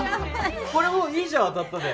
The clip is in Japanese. これもういいじゃん当たったで。